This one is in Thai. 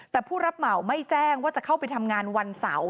แต่ผู้รับเหมาไม่แจ้งว่าจะเข้าไปทำงานวันเสาร์